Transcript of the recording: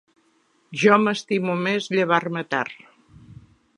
Jo m'estimo més llevar-me tard.